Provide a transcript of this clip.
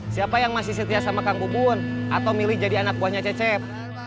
siapa yang masih setia sama kang gubun atau milih jadi anak buahnya cecep